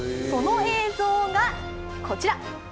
その映像が、こちら！